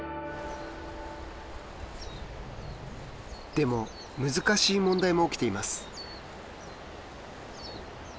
でも難しい問題も起きています。